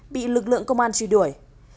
bị lực lượng công an truy đuổi